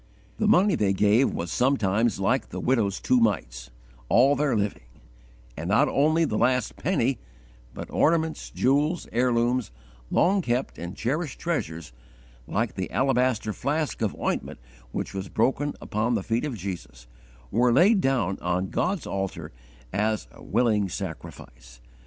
The money they gave was sometimes like the widow's two mites all their living; and not only the last penny, but ornaments, jewels, heirlooms, long kept and cherished treasures, like the alabaster flask of ointment which was broken upon the feet of Jesus, were laid down on God's altar as a willing sacrifice.